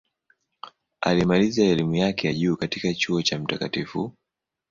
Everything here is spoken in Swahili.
Alimaliza elimu yake ya juu katika Chuo Kikuu cha Mt.